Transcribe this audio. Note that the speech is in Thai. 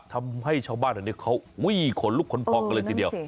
ทำให้ชาวบ้านแถวนี้เขาอุ้ยขนลุกขนพองกันเลยทีเดียว